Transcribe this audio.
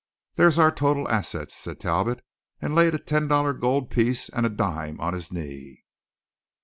There's our total assets," said Talbot, and laid a ten dollar gold piece and a dime on his knee.